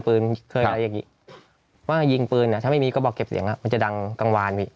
เคยอะไรอย่างนี้ว่ายิงปืนอ่ะถ้าไม่มีกระบอกเก็บเสียงมันจะดังกลางวานพี่